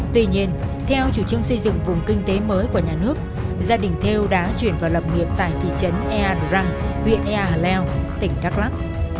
tuy nhiên theo chủ trương xây dựng vùng kinh tế mới của nhà nước gia đình thêu đã chuyển vào lập nghiệp tại thị trấn ea đồ răng huyện ea hà leo tỉnh đắk lắk